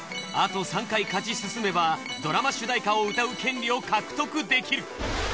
あと３回勝ち進めばドラマ主題歌を歌う権利を獲得できる。